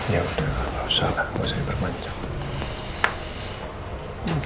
yaudah gak usah lah